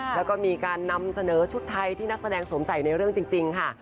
แล้วก็มีการนำเสนอชุดไทยที่นักแสดงสวมใส่ในเรื่องจริงค่ะ